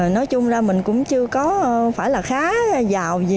nói chung là mình cũng chưa có phải là khá giàu gì